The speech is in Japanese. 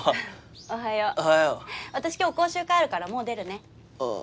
おはようおはよう私今日講習会あるからもう出るねあぁ